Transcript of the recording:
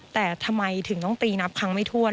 แต่ทำไมถึงต้องตีนับครั้งไม่ถ้วน